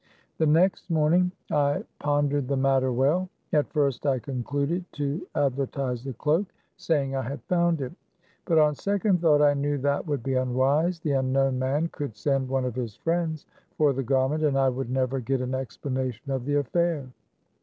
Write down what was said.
* The next morning I pon . r dered the matter well. At laecl a. first I concluded to adver majxtle ^ ie c ^ oa ^' sa yi n g I had _^ found it. But on second more closely'' thought I knew that would * q ) be unwise. The unknown man could send one of his friends for the garment, and I would neve] get an explanation of the affair.